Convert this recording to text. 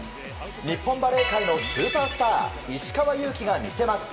日本バレー界のスーパースター石川祐希が見せます。